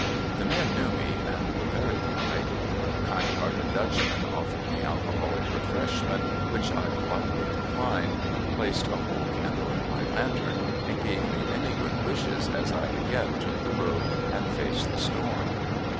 The men knew me, and were very polite. The kind hearted Dutchman offered me alcoholic refreshment, which I politely declined, placed a whole candle in m}' lantern, and gave me man}^ good wishes as I again took the road and faced the storm.